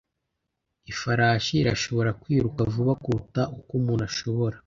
Ifarashi irashobora kwiruka vuba kuruta uko umuntu ashobora